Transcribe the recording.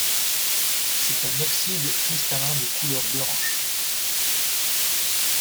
C'est un oxyde cristallin de couleur blanche.